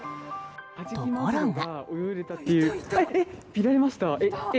ところが。